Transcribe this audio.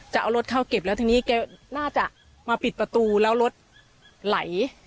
จะเอารถเข้าเก็บแล้วทีนี้แกน่าจะมาปิดประตูแล้วรถไหล